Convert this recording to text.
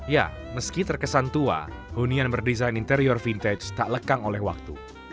ya meski terkesan tua hunian berdesain interior vintage tak lekang oleh waktu